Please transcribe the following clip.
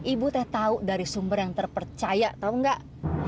ibu teh tau dari sumber yang terpercaya tau gak